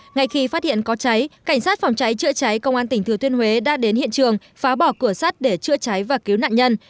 ngay khi phát hiện có cháy cảnh sát phòng cháy chữa cháy công an tỉnh thừa thiên huế đã đến hiện trường phá bỏ cửa sắt để chữa cháy và cứu nạn nhân